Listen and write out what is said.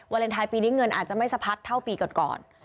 เลนไทยปีนี้เงินอาจจะไม่สะพัดเท่าปีก่อน